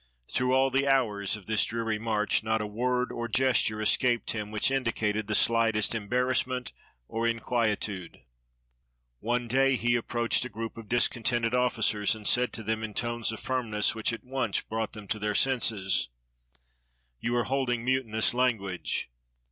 Through all the hours of this dreary march, not a word or gesture escaped him which indicated the slightest embarrassment or inquietude. One day he approached a group of discontented officers, and said to them, in tones of firmness which at once brought them to their senses, "You are holding mutinous language!